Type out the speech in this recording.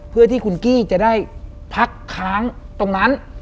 เพื่อที่คุณกี้จะได้พักค้างตรงนั้น